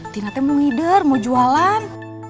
tina teh mau ngider mau jualan